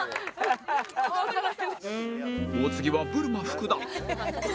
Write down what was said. お次はブルマ福田